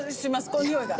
この匂いが。